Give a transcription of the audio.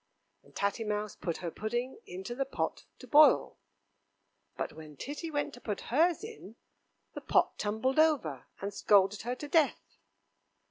And Tatty Mouse put her pudding into the pot to boil, But when Titty went to put hers in, the pot tumbled over, and scalded her to death.